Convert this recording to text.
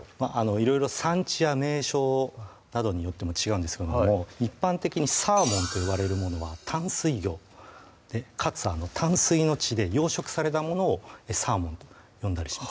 いろいろ産地や名称などによっても違うんですけども一般的にサーモンと呼ばれるものは淡水魚かつ淡水の地で養殖されたものをサーモンと呼んだりします